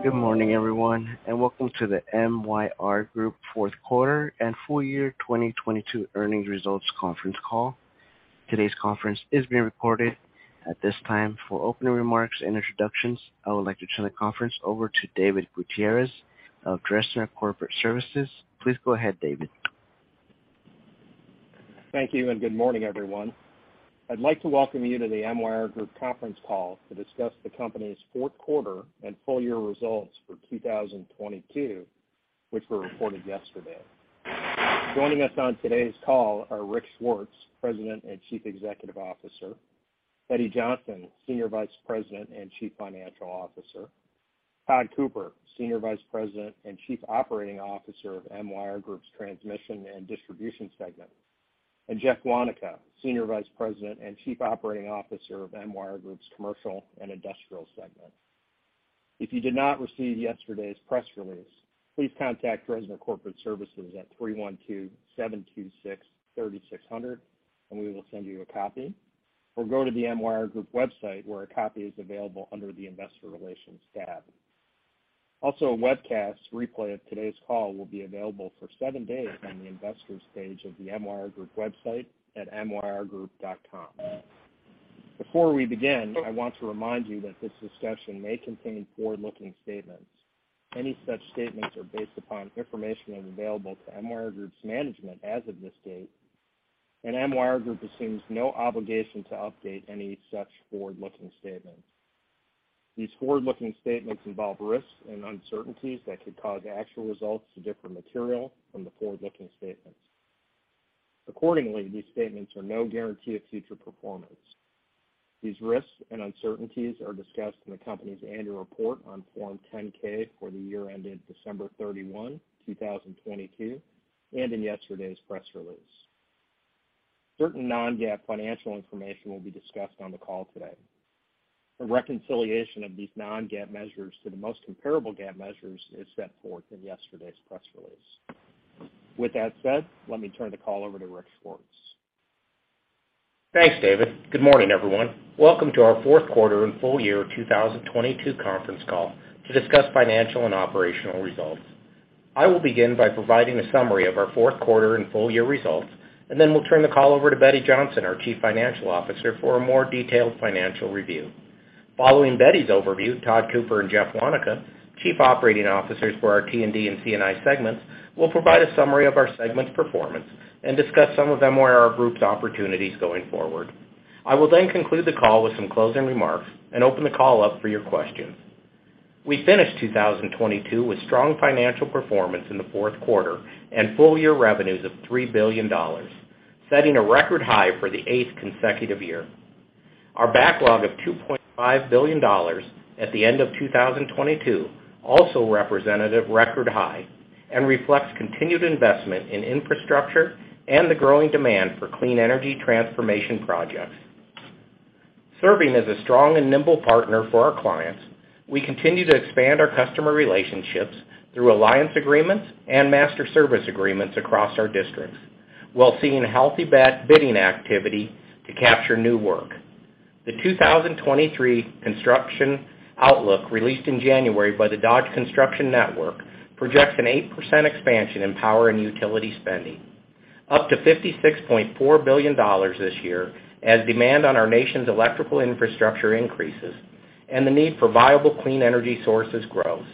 Good morning, everyone, welcome to the MYR Group fourth quarter and full year 2022 earnings results conference call. Today's conference is being recorded. At this time, for opening remarks and introductions, I would like to turn the conference over to David Gutierrez of Dresner Corporate Services. Please go ahead, David. Thank you, and good morning, everyone. I'd like to welcome you to the MYR Group conference call to discuss the company's fourth quarter and full year results for 2022, which were reported yesterday. Joining us on today's call are Rick Swartz, President and Chief Executive Officer. Betty Johnson, Senior Vice President and Chief Financial Officer. Tod Cooper, Senior Vice President and Chief Operating Officer of MYR Group's Transmission and Distribution segment, and Jeff Waneka, Senior Vice President and Chief Operating Officer of MYR Group's Commercial and Industrial segment. If you did not receive yesterday's press release, please contact Dresner Corporate Services at 312-726-3600, and we will send you a copy, or go to the MYR Group website, where a copy is available under the Investor Relations tab. Also, a webcast replay of today's call will be available for seven days on the Investors page of the MYR Group website at myrgroup.com. Before we begin, I want to remind you that this discussion may contain forward-looking statements. Any such statements are based upon information available to MYR Group's management as of this date, and MYR Group assumes no obligation to update any such forward-looking statements. These forward-looking statements involve risks and uncertainties that could cause actual results to differ material from the forward-looking statements. Accordingly, these statements are no guarantee of future performance. These risks and uncertainties are discussed in the company's annual report on Form 10-K for the year ended December 31, 2022, and in yesterday's press release. Certain non-GAAP financial information will be discussed on the call today. A reconciliation of these non-GAAP measures to the most comparable GAAP measures is set forth in yesterday's press release. With that said, let me turn the call over to Rick Swartz. Thanks, David. Good morning, everyone. Welcome to our fourth quarter and full year 2022 conference call to discuss financial and operational results. I will begin by providing a summary of our fourth quarter and full year results. We'll turn the call over to Betty Johnson, our Chief Financial Officer, for a more detailed financial review. Following Betty's overview, Tod Cooper and Jeff Waneka, Chief Operating Officers for our T&D and C&I segments, will provide a summary of our segment's performance and discuss some of MYR Group's opportunities going forward. I will conclude the call with some closing remarks and open the call up for your questions. We finished 2022 with strong financial performance in the fourth quarter and full-year revenues of $3 billion, setting a record high for the eighth consecutive year. Our backlog of $2.5 billion at the end of 2022 also represented a record high and reflects continued investment in infrastructure and the growing demand for clean energy transformation projects. Serving as a strong and nimble partner for our clients, we continue to expand our customer relationships through alliance agreements and master service agreements across our districts, while seeing healthy bidding activity to capture new work. The 2023 construction outlook, released in January by the Dodge Construction Network, projects an 8% expansion in power and utility spending, up to $56.4 billion this year, as demand on our nation's electrical infrastructure increases and the need for viable clean energy sources grows.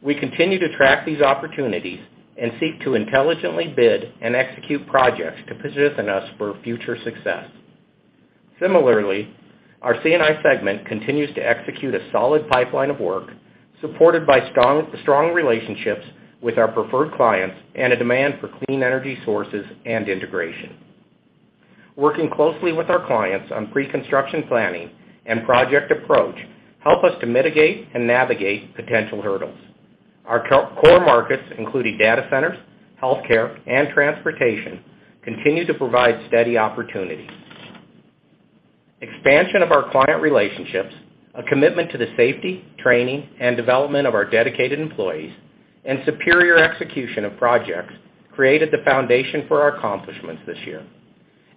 We continue to track these opportunities and seek to intelligently bid and execute projects to position us for future success. Similarly, our C&I segment continues to execute a solid pipeline of work supported by strong relationships with our preferred clients and a demand for clean energy sources and integration. Working closely with our clients on pre-construction planning and project approach help us to mitigate and navigate potential hurdles. Our core markets, including data centers, healthcare, and transportation, continue to provide steady opportunities. Expansion of our client relationships, a commitment to the safety, training, and development of our dedicated employees, and superior execution of projects created the foundation for our accomplishments this year.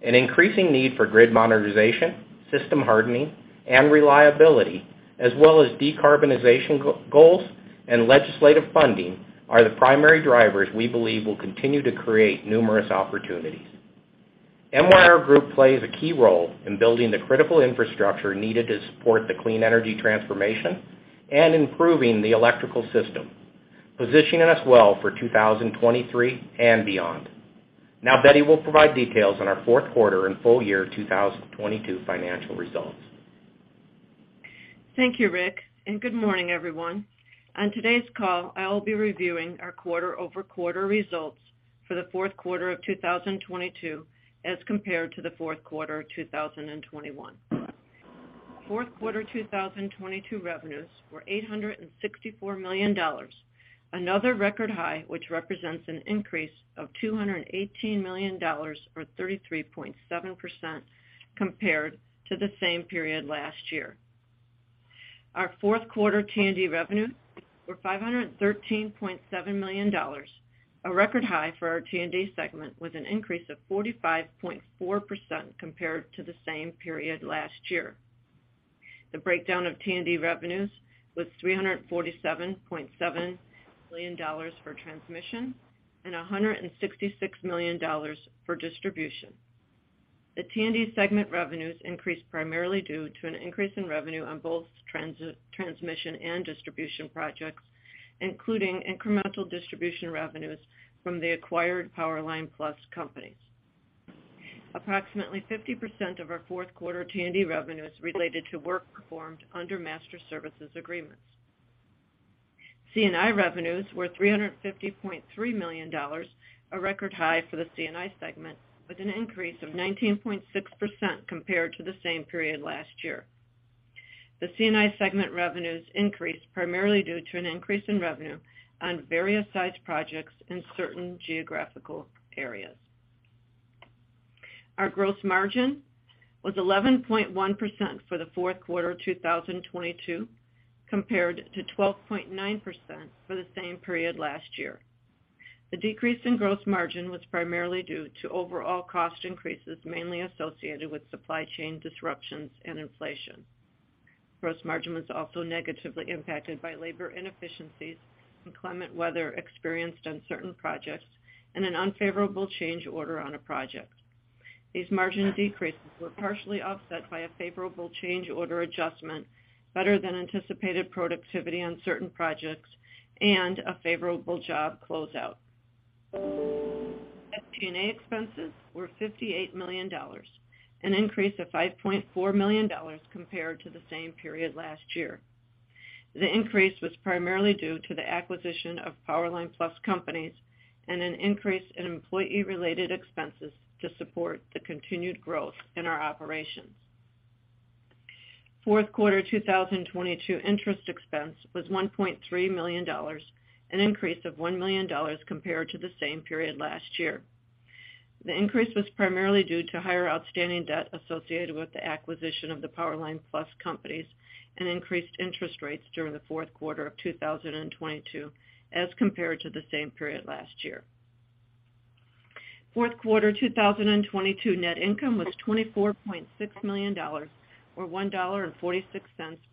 An increasing need for grid modernization, system hardening, and reliability, as well as decarbonization goals and legislative funding, are the primary drivers we believe will continue to create numerous opportunities. MYR Group plays a key role in building the critical infrastructure needed to support the clean energy transformation and improving the electrical system, positioning us well for 2023 and beyond. Now Betty will provide details on our fourth quarter and full year 2022 financial results. Thank you, Rick, good morning, everyone. On today's call, I'll be reviewing our quarter-over-quarter results for the fourth quarter of 2022 as compared to the fourth quarter of 2021. Fourth quarter 2022 revenues were $864 million, another record high which represents an increase of $218 million or 33.7% compared to the same period last year. Our fourth quarter T&D revenues were $513.7 million. A record high for our T&D segment with an increase of 45.4% compared to the same period last year. The breakdown of T&D revenues was $347.7 million for transmission and $166 million for distribution. The T&D segment revenues increased primarily due to an increase in revenue on both transmission and distribution projects, including incremental distribution revenues from the acquired Powerline Plus companies. Approximately 50% of our fourth quarter T&D revenues related to work performed under master services agreements. C&I revenues were $350.3 million, a record high for the C&I segment, with an increase of 19.6% compared to the same period last year. The C&I segment revenues increased primarily due to an increase in revenue on various sites projects in certain geographical areas. Our gross margin was 11.1% for the fourth quarter of 2022, compared to 12.9% for the same period last year. The decrease in gross margin was primarily due to overall cost increases, mainly associated with supply chain disruptions and inflation. Gross margin was also negatively impacted by labor inefficiencies, inclement weather experienced on certain projects, and an unfavorable change order on a project. These margin decreases were partially offset by a favorable change order adjustment, better than anticipated productivity on certain projects, and a favorable job closeout. SG&A expenses were $58 million, an increase of $5.4 million compared to the same period last year. The increase was primarily due to the acquisition of Powerline Plus companies and an increase in employee related expenses to support the continued growth in our operations. Fourth quarter 2022 interest expense was $1.3 million, an increase of $1 million compared to the same period last year. The increase was primarily due to higher outstanding debt associated with the acquisition of the Powerline Plus companies and increased interest rates during the fourth quarter of 2022 as compared to the same period last year. Fourth quarter 2022 net income was $24.6 million or $1.46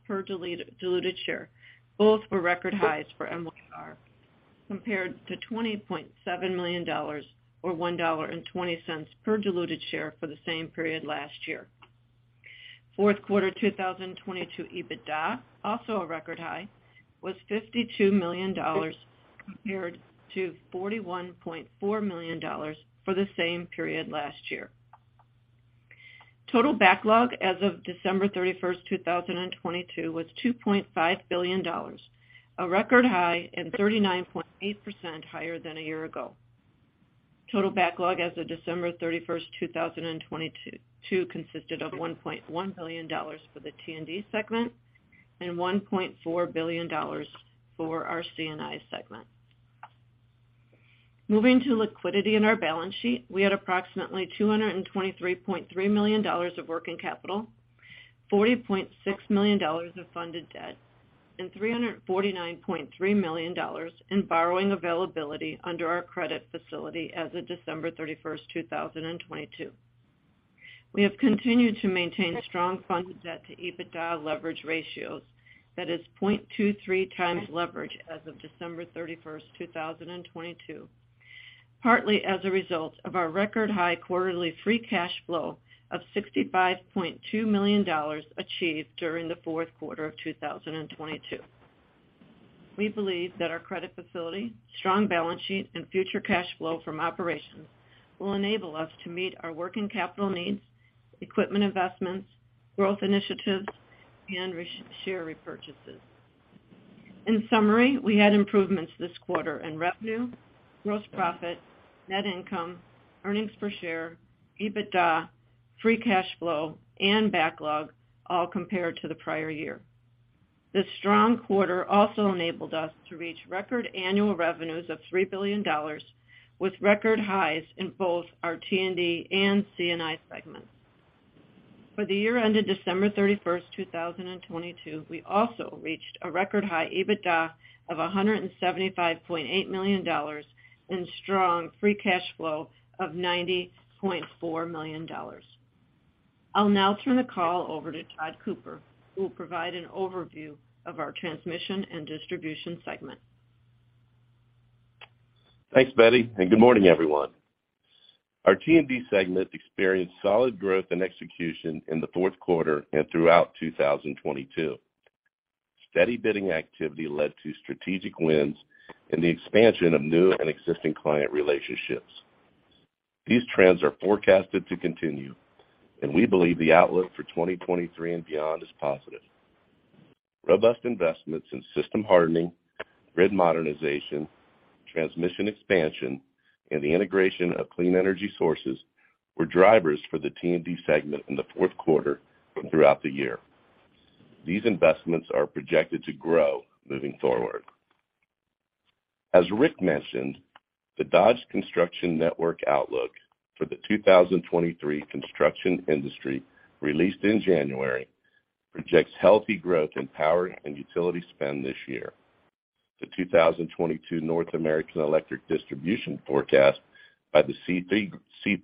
per diluted share. Both were record highs for MYR, compared to $20.7 million or $1.20 per diluted share for the same period last year. Fourth quarter 2022 EBITDA, also a record high, was $52 million compared to $41.4 million for the same period last year. Total backlog as of December 31st, 2022 was $2.5 billion, a record high and 39.8% higher than a year ago. Total backlog as of December 31, 2022 consisted of $1.1 billion for the T&D segment and $1.4 billion for our C&I segment. Moving to liquidity in our balance sheet, we had approximately $223.3 million of working capital, $40.6 million of funded debt, and $349.3 million in borrowing availability under our credit facility as of December 31, 2022. We have continued to maintain strong funded debt to EBITDA leverage ratios that is 0.23 times leverage as of December 31, 2022, partly as a result of our record high quarterly free cash flow of $65.2 million achieved during the fourth quarter of 2022. We believe that our credit facility, strong balance sheet, and future cash flow from operations will enable us to meet our working capital needs, equipment investments, growth initiatives, and share repurchases. In summary, we had improvements this quarter in revenue, gross profit, net income, earnings per share, EBITDA, free cash flow, and backlog, all compared to the prior year. This strong quarter also enabled us to reach record annual revenues of $3 billion, with record highs in both our T&D and C&I segments. For the year ended December 31, 2022, we also reached a record high EBITDA of $175.8 million and strong free cash flow of $90.4 million. I'll now turn the call over to Tod Cooper, who will provide an overview of our transmission and distribution segment. Thanks, Betty. Good morning, everyone. Our T&D segment experienced solid growth and execution in the fourth quarter and throughout 2022. Steady bidding activity led to strategic wins and the expansion of new and existing client relationships. These trends are forecasted to continue, and we believe the outlook for 2023 and beyond is positive. Robust investments in system hardening, grid modernization, transmission expansion, and the integration of clean energy sources were drivers for the T&D segment in the fourth quarter and throughout the year. These investments are projected to grow moving forward. As Rick mentioned, the Dodge Construction Network outlook for the 2023 construction industry, released in January, projects healthy growth in power and utility spend this year. The 2022 North American Electric Distribution Market Forecast by The C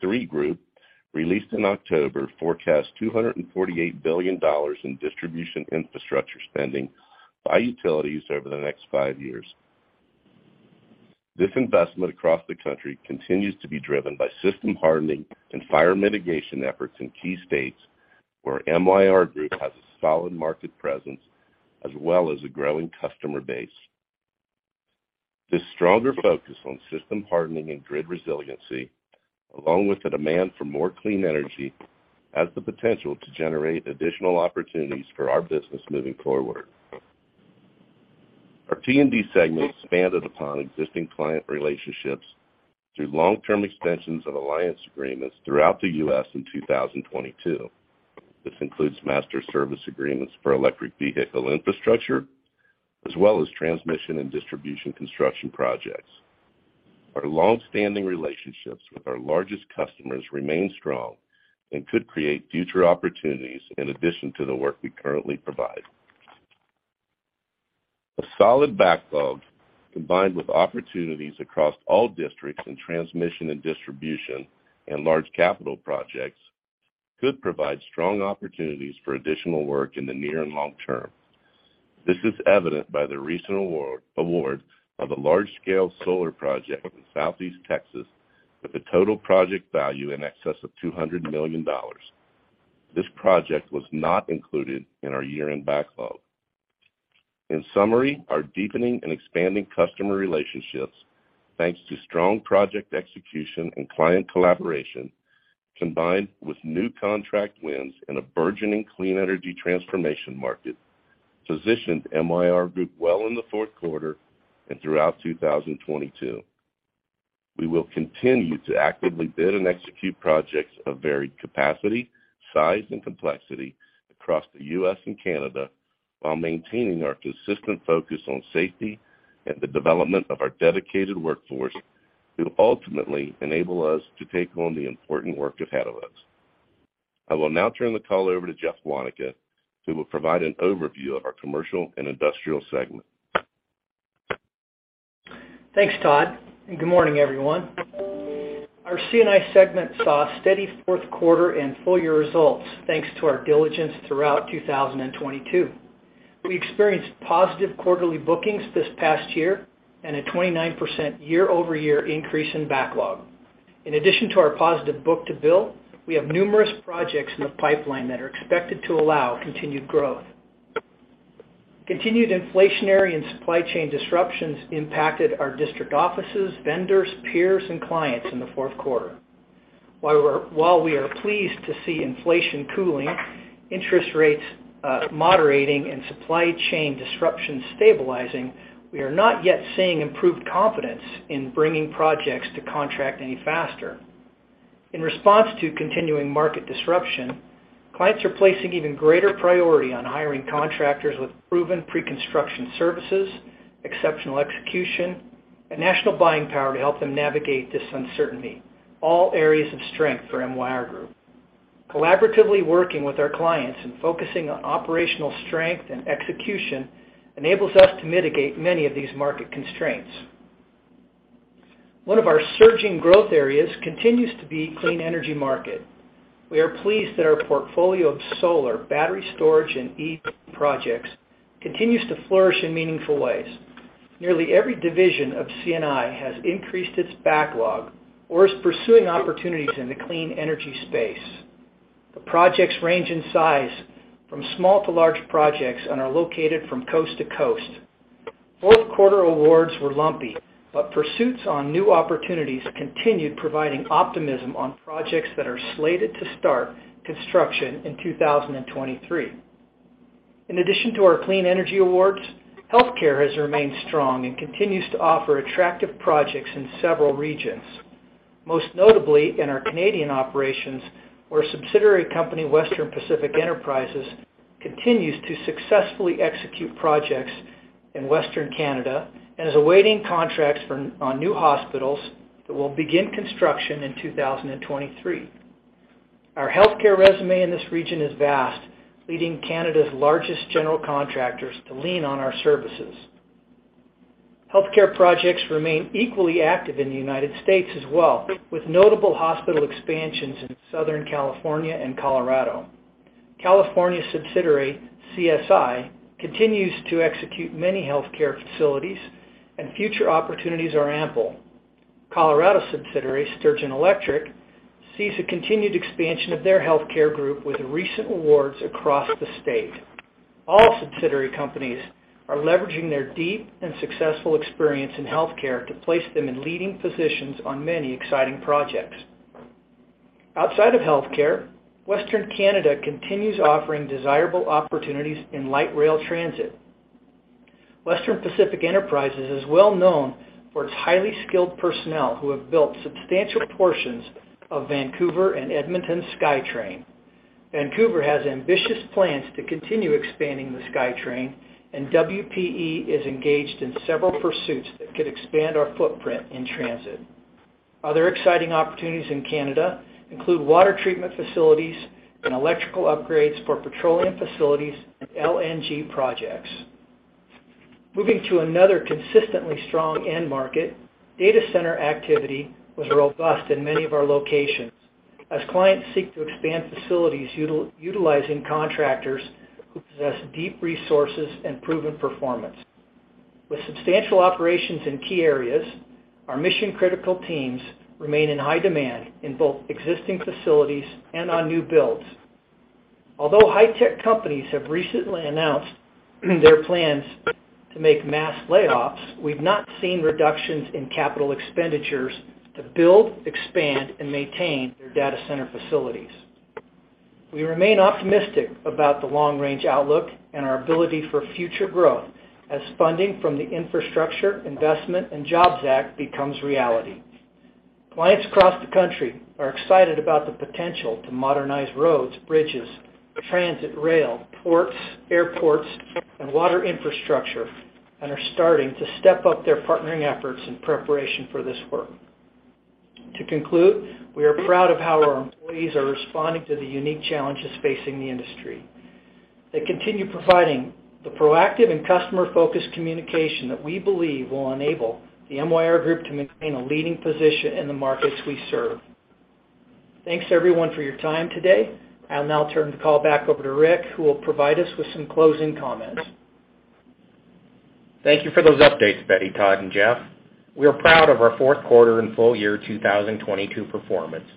Three Group, released in October, forecast $248 billion in distribution infrastructure spending by utilities over the next 5 years. This investment across the country continues to be driven by system hardening and fire mitigation efforts in key states where MYR Group has a solid market presence as well as a growing customer base. This stronger focus on system hardening and grid resiliency, along with the demand for more clean energy, has the potential to generate additional opportunities for our business moving forward. Our T&D segment expanded upon existing client relationships through long-term extensions of alliance agreements throughout the U.S. in 2022. This includes master service agreements for electric vehicle infrastructure as well as Transmission and Distribution construction projects. Our long-standing relationships with our largest customers remain strong and could create future opportunities in addition to the work we currently provide. A solid backlog, combined with opportunities across all districts in Transmission and Distribution and large capital projects, could provide strong opportunities for additional work in the near and long term. This is evident by the recent award of a large-scale solar project in Southeast Texas with a total project value in excess of $200 million. This project was not included in our year-end backlog. In summary, our deepening and expanding customer relationships, thanks to strong project execution and client collaboration, combined with new contract wins and a burgeoning clean energy transformation market, positioned MYR Group well in the fourth quarter and throughout 2022. We will continue to actively bid and execute projects of varied capacity, size, and complexity across the U.S. and Canada while maintaining our consistent focus on safety and the development of our dedicated workforce to ultimately enable us to take on the important work ahead of us. I will now turn the call over to Jeff Waneka, who will provide an overview of our commercial and industrial segment. Thanks, Tod, and good morning, everyone. Our C&I segment saw steady fourth quarter and full-year results, thanks to our diligence throughout 2022. We experienced positive quarterly bookings this past year and a 29% year-over-year increase in backlog. In addition to our positive book to bill, we have numerous projects in the pipeline that are expected to allow continued growth. Continued inflationary and supply chain disruptions impacted our district offices, vendors, peers, and clients in the fourth quarter. While we are pleased to see inflation cooling, interest rates moderating, and supply chain disruptions stabilizing, we are not yet seeing improved confidence in bringing projects to contract any faster. In response to continuing market disruption, clients are placing even greater priority on hiring contractors with proven pre-construction services, exceptional execution, and national buying power to help them navigate this uncertainty. All areas of strength for MYR Group. Collaboratively working with our clients and focusing on operational strength and execution enables us to mitigate many of these market constraints. One of our surging growth areas continues to be clean energy market. We are pleased that our portfolio of solar, battery storage, and EV projects continues to flourish in meaningful ways. Nearly every division of C&I has increased its backlog or is pursuing opportunities in the clean energy space. The projects range in size from small to large projects and are located from coast to coast. Fourth quarter awards were lumpy. Pursuits on new opportunities continued, providing optimism on projects that are slated to start construction in 2023. In addition to our clean energy awards, healthcare has remained strong and continues to offer attractive projects in several regions. Most notably in our Canadian operations, where subsidiary company Western Pacific Enterprises continues to successfully execute projects in Western Canada and is awaiting contracts for new hospitals that will begin construction in 2023. Our healthcare resume in this region is vast, leading Canada's largest general contractors to lean on our services. Healthcare projects remain equally active in the United States as well, with notable hospital expansions in Southern California and Colorado. California subsidiary, CSI, continues to execute many healthcare facilities, future opportunities are ample. Colorado subsidiary, Sturgeon Electric, sees a continued expansion of their healthcare group with recent awards across the state. All subsidiary companies are leveraging their deep and successful experience in healthcare to place them in leading positions on many exciting projects. Outside of healthcare, Western Canada continues offering desirable opportunities in light rail transit. Western Pacific Enterprises is well known for its highly skilled personnel who have built substantial portions of Vancouver and Edmonton's SkyTrain. Vancouver has ambitious plans to continue expanding the SkyTrain, WPE is engaged in several pursuits that could expand our footprint in transit. Other exciting opportunities in Canada include water treatment facilities and electrical upgrades for petroleum facilities and LNG projects. Moving to another consistently strong end market, data center activity was robust in many of our locations as clients seek to expand facilities utilizing contractors who possess deep resources and proven performance. With substantial operations in key areas, our mission-critical teams remain in high demand in both existing facilities and on new builds. Although high-tech companies have recently announced their plans to make mass layoffs, we've not seen reductions in capital expenditures to build, expand, and maintain their data center facilities. We remain optimistic about the long-range outlook and our ability for future growth as funding from the Infrastructure Investment and Jobs Act becomes reality. Clients across the country are excited about the potential to modernize roads, bridges, transit rail, ports, airports, and water infrastructure and are starting to step up their partnering efforts in preparation for this work. To conclude, we are proud of how our employees are responding to the unique challenges facing the industry. They continue providing the proactive and customer-focused communication that we believe will enable the MYR Group to maintain a leading position in the markets we serve. Thanks, everyone, for your time today. I'll now turn the call back over to Rick, who will provide us with some closing comments. Thank you for those updates, Betty, Tod, and Jeff. We are proud of our fourth quarter and full year 2022 performance,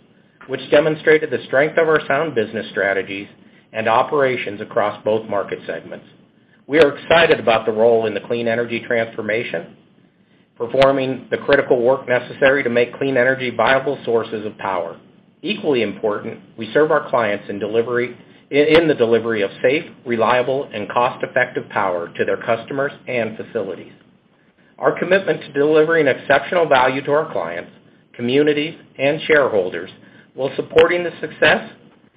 which demonstrated the strength of our sound business strategies and operations across both market segments. We are excited about the role in the clean energy transformation, performing the critical work necessary to make clean energy viable sources of power. Equally important, we serve our clients in the delivery of safe, reliable, and cost-effective power to their customers and facilities. Our commitment to delivering exceptional value to our clients, communities, and shareholders, while supporting the success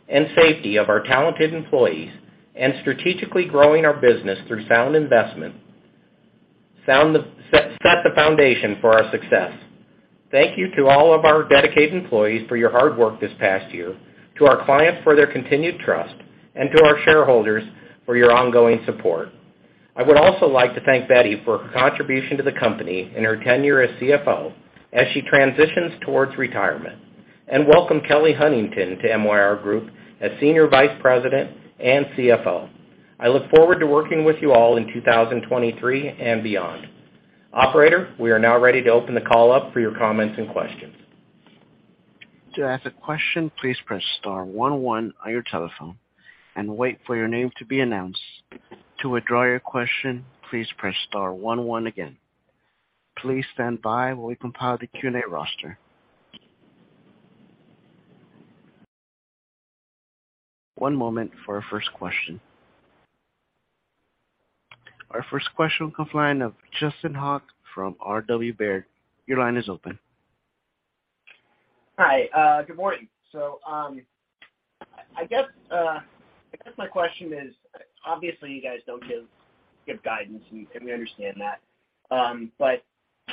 and safety of our talented employees and strategically growing our business through sound investment, set the foundation for our success. Thank you to all of our dedicated employees for your hard work this past year, to our clients for their continued trust, and to our shareholders for your ongoing support. I would also like to thank Betty for her contribution to the company in her tenure as CFO as she transitions towards retirement, and welcome Kelly Huntington to MYR Group as Senior Vice President and CFO. I look forward to working with you all in 2023 and beyond. Operator, we are now ready to open the call up for your comments and questions. To ask a question, please press star one one on your telephone and wait for your name to be announced. To withdraw your question, please press star one one again. Please stand by while we compile the Q&A roster. One moment for our first question. Our first question comes line of Justin Hauke from RW Baird. Your line is open. Hi. good morning. I guess my question is, obviously, you guys don't give guidance, and we understand that.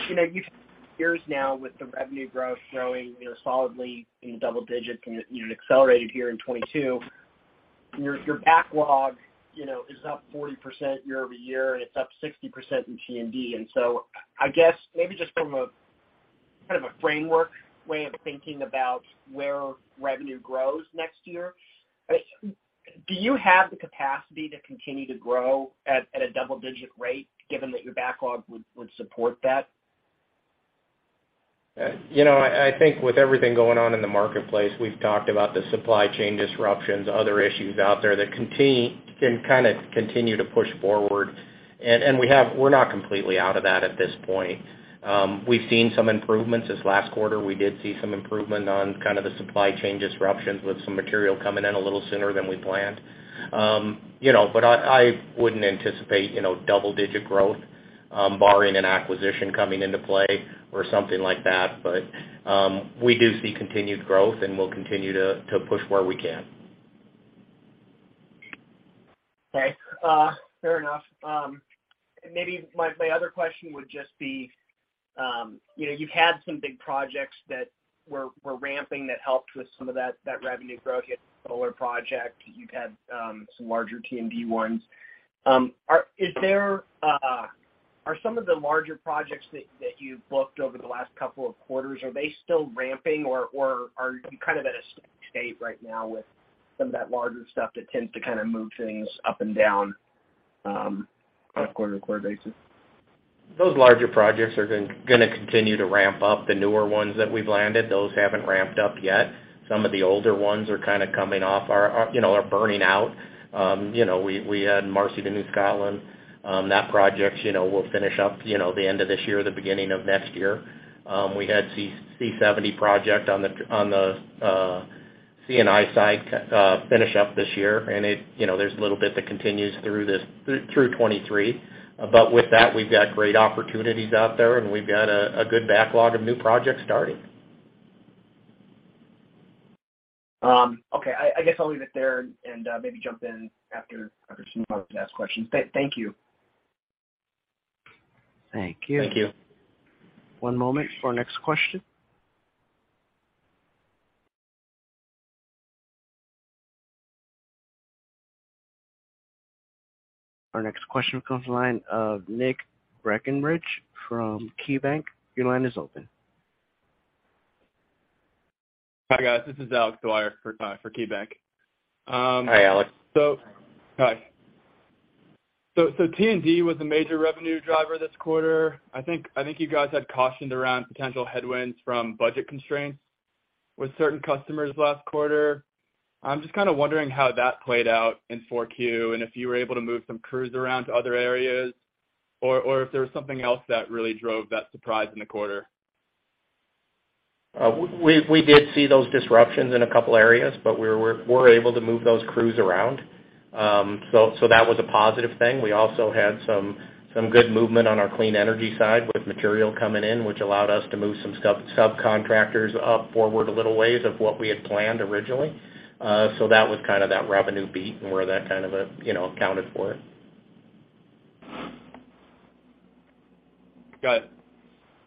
you know, you've years now with the revenue growth growing, you know, solidly in double digits, and it, you know, accelerated here in 2022. Your backlog, you know, is up 40% year over year, and it's up 60% in T&D. I guess maybe just from a kind of a framework way of thinking about where revenue grows next year, do you have the capacity to continue to grow at a double-digit rate given that your backlog would support that? You know, I think with everything going on in the marketplace, we've talked about the supply chain disruptions, other issues out there that can kinda continue to push forward. We're not completely out of that at this point. We've seen some improvements. This last quarter, we did see some improvement on kind of the supply chain disruptions, with some material coming in a little sooner than we planned. You know, but I wouldn't anticipate, you know, double-digit growth, barring an acquisition coming into play or something like that. We do see continued growth, and we'll continue to push where we can. Okay. Fair enough. Maybe my other question would just be, you know, you've had some big projects that were ramping that helped with some of that revenue growth. You had the solar project. You've had some larger T&D ones. Is there, are some of the larger projects that you've booked over the last couple of quarters, are they still ramping or are you kind of at a steady state right now with some of that larger stuff that tends to kinda move things up and down on a quarter-to-quarter basis? Those larger projects are gonna continue to ramp up. The newer ones that we've landed, those haven't ramped up yet. Some of the older ones are kinda coming off our, you know, are burning out. You know, we had Marcy to New Scotland. That project, you know, will finish up, you know, the end of this year or the beginning of next year. We had CC 70 project on the C&I side, finish up this year, and it, you know, there's a little bit that continues through this, through 2023. With that, we've got great opportunities out there, and we've got a good backlog of new projects starting. Okay. I guess I'll leave it there and maybe jump in after some other ask questions. Thank you. Thank you. Thank you. One moment for our next question. Our next question comes line of Nick Breckenridge from KeyBanc. Your line is open. Hi, guys. This is Alex Dwyer for KeyBank. Hi, Alex. Hi. T&D was a major revenue driver this quarter. I think you guys had cautioned around potential headwinds from budget constraints with certain customers last quarter. I'm just kinda wondering how that played out in Q4, and if you were able to move some crews around to other areas or if there was something else that really drove that surprise in the quarter. We did see those disruptions in a couple areas, but we were able to move those crews around. That was a positive thing. We also had some good movement on our clean energy side with material coming in, which allowed us to move some sub-subcontractors up forward a little ways of what we had planned originally. That was kind of that revenue beat and where that kind of, you know, accounted for it. Got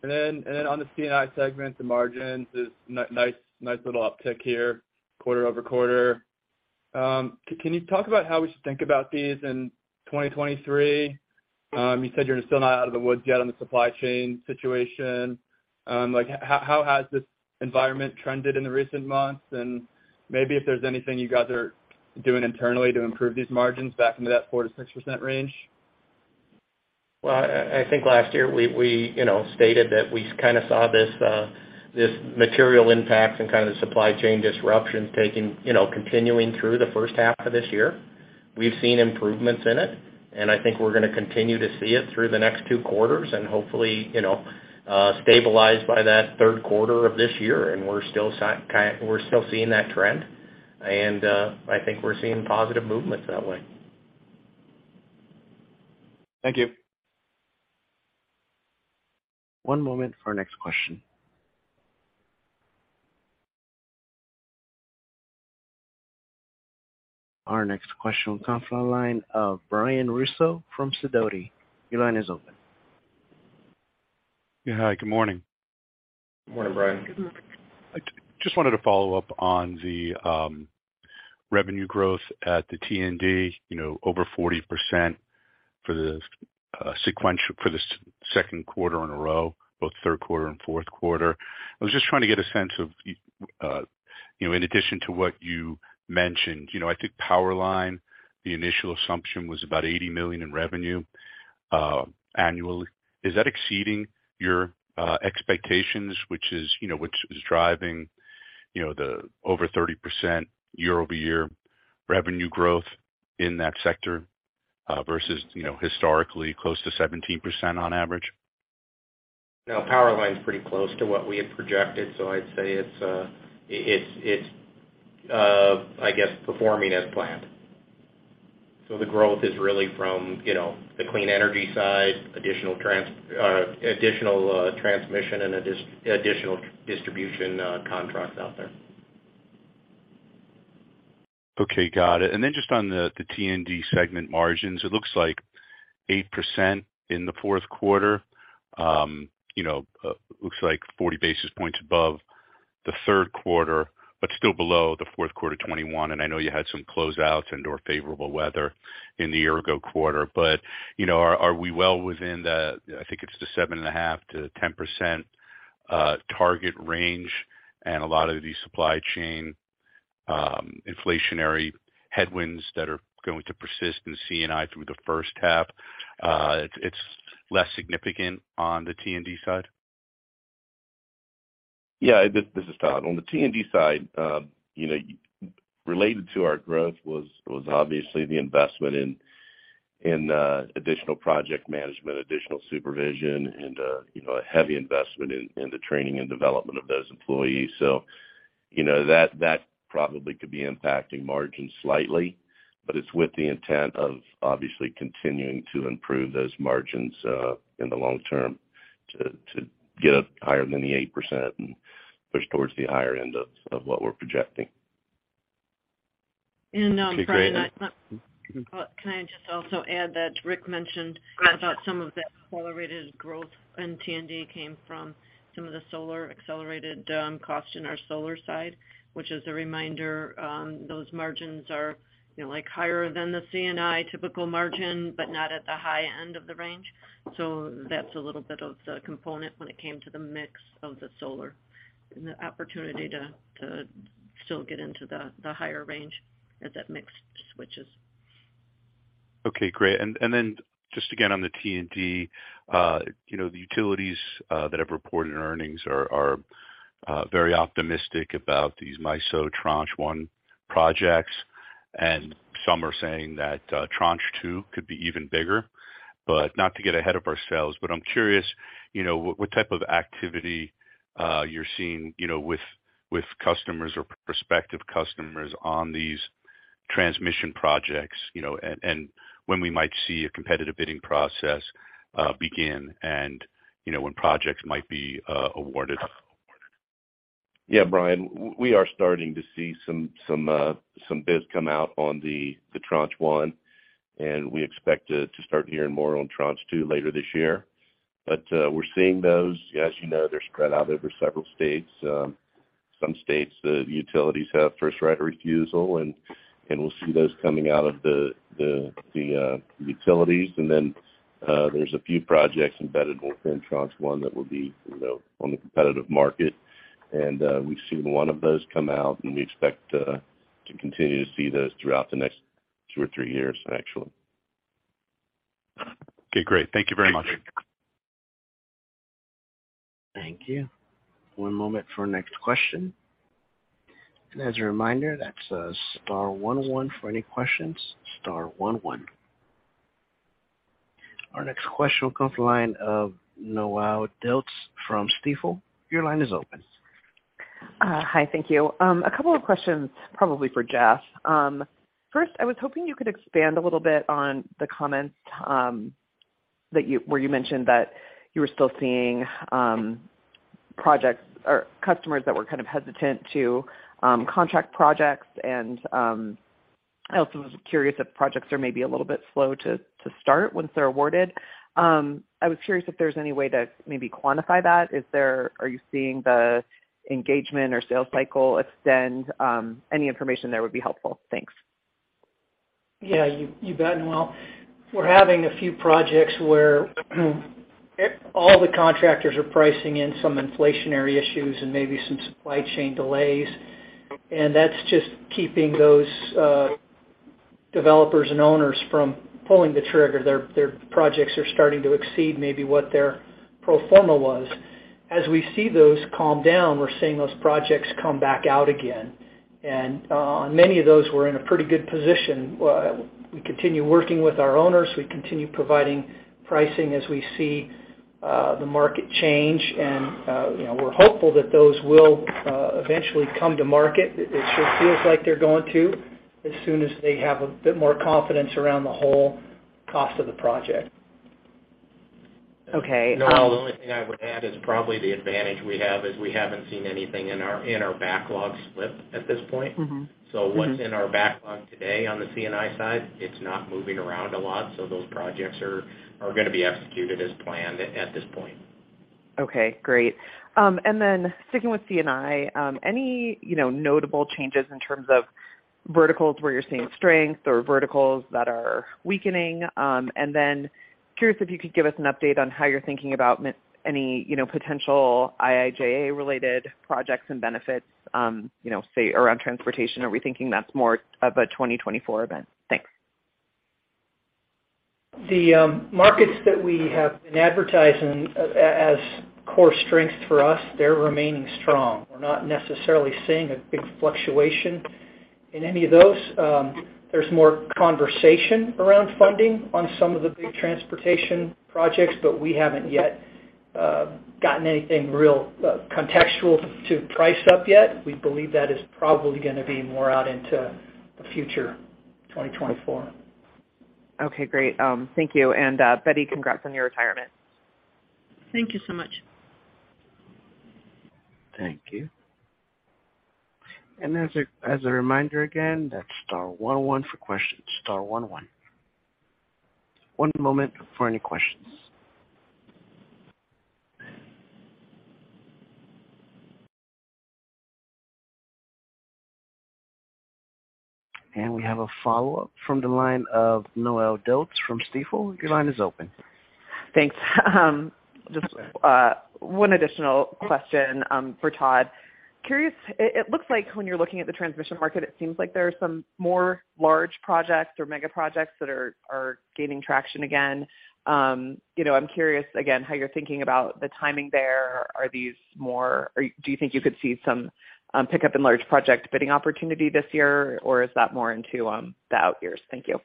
it. On the C&I segment, the margins is nice little uptick here quarter-over-quarter. Can you talk about how we should think about these in 2023? Like, how has this environment trended in the recent months? Maybe if there's anything you guys are doing internally to improve these margins back into that 4%-6% range. Well, I think last year we, you know, stated that we kinda saw this material impacts and kind of supply chain disruptions continuing through the first half of this year. We've seen improvements in it, and I think we're gonna continue to see it through the next 2 quarters and hopefully, you know, stabilize by that 3rd quarter of this year. We're still seeing that trend. I think we're seeing positive movements that way. Thank you. One moment for our next question. Our next question will come from the line of Brian Russo from Sidoti. Your line is open. Yeah. Hi, good morning. Morning, Brian. Good morning. I just wanted to follow up on the revenue growth at the T&D, you know, over 40% for the second quarter in a row, both third quarter and fourth quarter. I was just trying to get a sense of you know, in addition to what you mentioned. You know, I think power line, the initial assumption was about $80 million in revenue annually. Is that exceeding your expectations, which is, you know, which is driving, you know, the over 30% year-over-year revenue growth in that sector versus, you know, historically close to 17% on average? No. Powerline is pretty close to what we had projected. I'd say it's, I guess, performing as planned. The growth is really from, you know, the clean energy side, additional transmission and additional distribution contracts out there. Okay. Got it. Just on the T&D segment margins, it looks like 8% in the fourth quarter. You know, looks like 40 basis points above the third quarter, but still below the fourth quarter 2021. I know you had some closeouts and/or favorable weather in the year ago quarter. You know, are we well within the, I think it's the 7.5%-10% target range and a lot of the supply chain inflationary headwinds that are going to persist in C&I through the first half? It's less significant on the T&D side. Yeah. This is Tod. On the T&D side, you know, related to our growth was obviously the investment in additional project management, additional supervision, and, you know, a heavy investment in the training and development of those employees. you know, that probably could be impacting margins slightly, but it's with the intent of obviously continuing to improve those margins in the long term to get up higher than the 8% and push towards the higher end of what we're projecting. Brian. Okay, great. Can I just also add that Rick mentioned- Go ahead. -about some of that accelerated growth in T&D came from some of the solar accelerated, cost in our solar side, which is a reminder, those margins are, you know, like, higher than the C&I typical margin, but not at the high end of the range. That's a little bit of the component when it came to the mix of the solar and the opportunity to still get into the higher range as that mix switches. Okay, great. Then just again on the T&D, you know, the utilities, that have reported earnings are very optimistic about these MISO Tranche 1 projects, and some are saying that Tranche 2 could be even bigger. Not to get ahead of ourselves, but I'm curious, you know, what type of activity, you're seeing, you know, with customers or prospective customers on these Transmission projects, you know, and when we might see a competitive bidding process, begin and, you know, when projects might be awarded. Yeah, Brian, we are starting to see some bids come out on the Tranche 1, and we expect to start hearing more on Tranche 2 later this year. We're seeing those. As you know, they're spread out over several states. Some states, the utilities have first right of refusal, and we'll see those coming out of the utilities. Then there's a few projects embedded within Tranche 1 that will be, you know, on the competitive market. We've seen one of those come out, and we expect to continue to see those throughout the next two or three years actually. Okay, great. Thank you very much. Thank you. One moment for next question. As a reminder, that's, star 11 for any questions, star 11. Our next question will come from the line of Noelle Dilts from Stifel. Your line is open. Hi. Thank you. A couple of questions probably for Jeff. First, I was hoping you could expand a little bit on the comments where you mentioned that you were still seeing projects or customers that were kind of hesitant to contract projects. I also was curious if projects are maybe a little bit slow to start once they're awarded. I was curious if there's any way to maybe quantify that. Are you seeing the engagement or sales cycle extend? Any information there would be helpful. Thanks. Yeah, you bet, Noelle. We're having a few projects where all the contractors are pricing in some inflationary issues and maybe some supply chain delays. That's just keeping those developers and owners from pulling the trigger. Their projects are starting to exceed maybe what their pro forma was. As we see those calm down, we're seeing those projects come back out again. On many of those, we're in a pretty good position. We continue working with our owners. We continue providing pricing as we see the market change. You know, we're hopeful that those will eventually come to market. It sure feels like they're going to as soon as they have a bit more confidence around the whole cost of the project. Okay. Noelle, the only thing I would add is probably the advantage we have is we haven't seen anything in our, in our backlog slip at this point. Mm-hmm. Mm-hmm. What's in our backlog today on the C&I side, it's not moving around a lot, so those projects are gonna be executed as planned at this point. Okay, great. Sticking with C&I, any, you know, notable changes in terms of verticals where you're seeing strength or verticals that are weakening? Curious if you could give us an update on how you're thinking about any, you know, potential IIJA-related projects and benefits, you know, say, around transportation. Are we thinking that's more of a 2024 event? Thanks. The markets that we have been advertising as core strengths for us, they're remaining strong. We're not necessarily seeing a big fluctuation in any of those. There's more conversation around funding on some of the big transportation projects, but we haven't yet gotten anything real contextual to price up yet. We believe that is probably gonna be more out into the future, 2024. Okay, great. Thank you. Betty, congrats on your retirement. Thank you so much. Thank you. As a reminder, again, that's star one one for questions, star one one. One moment for any questions. We have a follow-up from the line of Noelle Dilts from Stifel. Your line is open. Thanks. Just one additional question for Todd. Curious, it looks like when you're looking at the transmission market, it seems like there are some more large projects or mega projects that are gaining traction again. You know, I'm curious again how you're thinking about the timing there. Do you think you could see some pickup in large project bidding opportunity this year, or is that more into the out years? Thank you.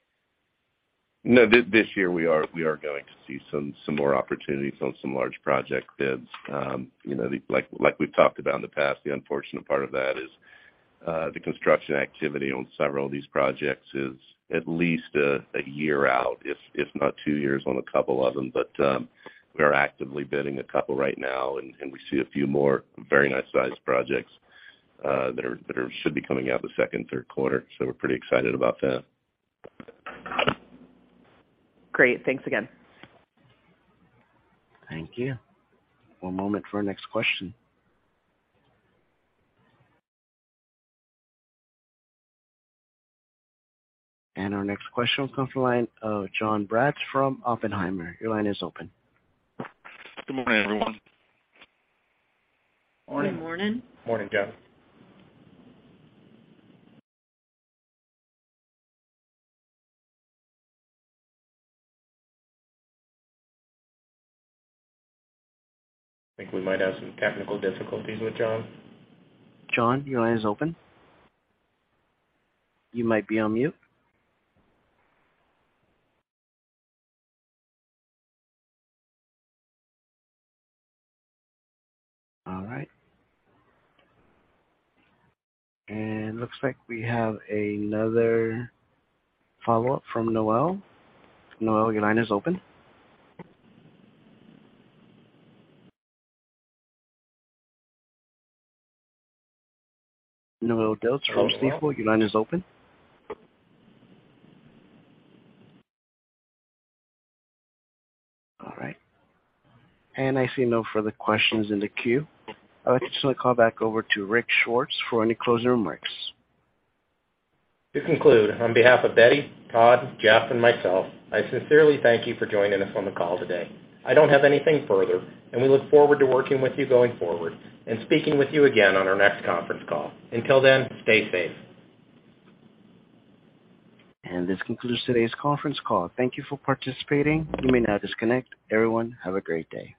No, this year we are going to see some more opportunities on some large project bids. You know, like we've talked about in the past, the unfortunate part of that is the construction activity on several of these projects is at least a year out, if not 2 years on a couple of them. We are actively bidding a couple right now, and we see a few more very nice sized projects that are should be coming out the second, third quarter. We're pretty excited about that. Great. Thanks again. Thank you. One moment for our next question. Our next question comes from the line of Jonathan Braatz from Oppenheimer. Your line is open. Good morning, everyone. Morning. Good morning. Morning, Jon. I think we might have some technical difficulties with Jon. John, your line is open. You might be on mute. All right. Looks like we have another follow-up from Noelle. Noelle, your line is open. Noelle Dilts from Stifel, your line is open. All right. I see no further questions in the queue. I would just like to call back over to Rick Swartz for any closing remarks. To conclude, on behalf of Betty, Tod, Jeff, and myself, I sincerely thank you for joining us on the call today. I don't have anything further, and we look forward to working with you going forward and speaking with you again on our next conference call. Until then, stay safe. This concludes today's conference call. Thank you for participating. You may now disconnect. Everyone, have a great day.